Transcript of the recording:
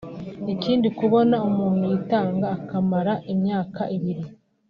Ikindi kubona umuntu yitanga akamara imyaka ibiri